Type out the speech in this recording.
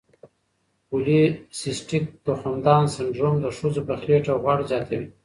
پولی سیسټیک تخمدان سنډروم د ښځو په خېټه غوړ زیاتوي.